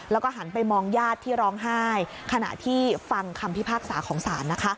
แล้วก็หันไปมองญาติที่ร้องไห้ขณะที่ฟังคำพิพากษาของศาลนะคะ